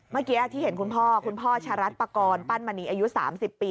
เมื่อกี้ที่เห็นคุณพ่อคุณพ่อชะรัฐปกรณ์ปั้นมณีอายุ๓๐ปี